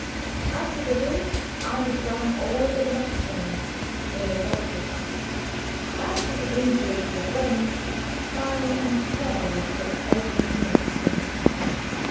As to the wound, I had done all that was necessary in the doctor's absence. As to the injury to the brain, time and care would put everything right again.